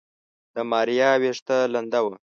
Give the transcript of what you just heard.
د ماريا ويښته لنده وه.